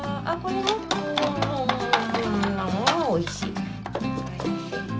あおいしい。